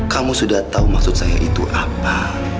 kamu sudah tahu maksud saya itu apa